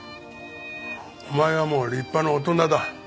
お前はもう立派な大人だ。